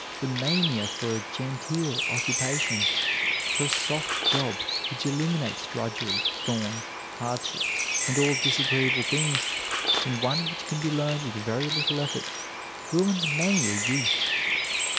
The mania for a "genteel" occupation, for a "soft job" which eliminates drudgery, thorns, hardships, and all disagreeable things, and one which can be learned with very little effort, ruins many a youth.